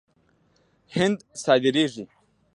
هنګ صادریږي.